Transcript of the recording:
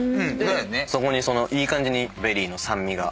そこにいい感じにベリーの酸味が。